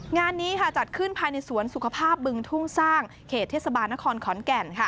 งานนี้จัดขึ้นภายในสวนสุขภาพบึงทุ่งสร้างเขตเทศบาลนครขอนแก่น